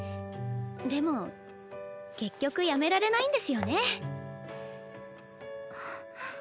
でも結局やめられないんですよね。